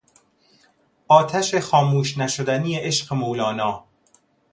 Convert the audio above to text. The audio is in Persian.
آتش خاموش نشدنی عشق مولانا